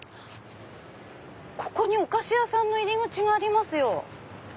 ここにお菓子屋さんの入り口がありますよ。